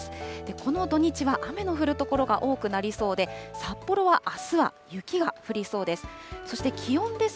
この土日は雨の降る所が多くなりそうで、札幌はあすは雪が降りそうです。